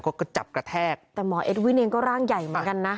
ก็กระจับกระแทกแต่หมอเอ็ดวินเองก็ร่างใหญ่เหมือนกันนะ